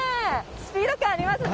スピード感ありますね！